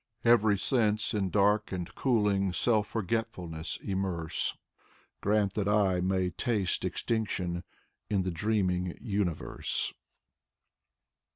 Every sense in dark and cooling Self forgetfulness immerse, — Grant that I may taste extinction In the dreaming universe.